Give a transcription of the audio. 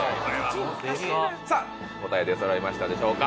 さぁ答え出そろいましたでしょうか。